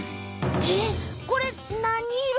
えっこれなに色？